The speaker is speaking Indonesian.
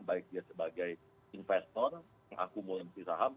baik dia sebagai investor yang akumulasi saham